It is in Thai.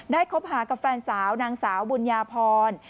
คบหากับแฟนสาวนางสาวบุญญาพร